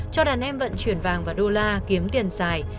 cho đàn em vận chuyển vàng và đô la kiếm tiền dài